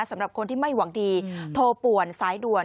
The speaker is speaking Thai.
สำหรับคนที่ไม่หวังดีโทรป่วนสายด่วน